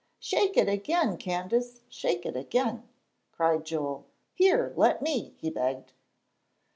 "Shake it again, Candace! Shake it again!" cried Joel. "Here, let me," he begged.